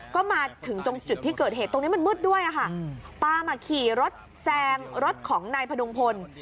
ก็มาถึงตรงจุดที่เกิดเหตุตรงนี้มันมืดด้วยค่ะปามอ่ะขี่รถแซงรถของนายพดุงพล